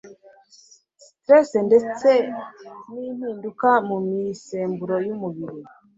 stress ndetse n' impinduka mu misemburo y'umubiri